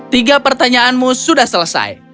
tiga pertanyaanmu sudah selesai